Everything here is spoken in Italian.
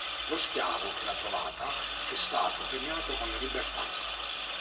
Lo schiavo che l'ha trovata è stato premiato con la libertà.